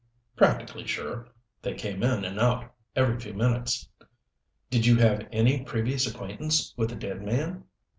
"Practically sure. They came in and out every few minutes." "Did you have any previous acquaintance with the dead man?"